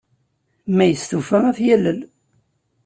Ma yestufa, ad t-yalel.